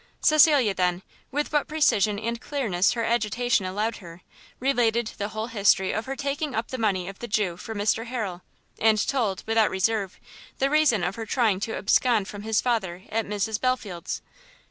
Cecilia, then, with what precision and clearness her agitation allowed her, related the whole history of her taking up the money of the Jew for Mr Harrel, and told, without reserve, the reason of her trying to abscond from his father at Mrs Belfield's.